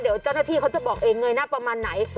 เดี๋ยวเจ้าหน้าที่เขาจะบอกเองเงยหน้าประมาณไหน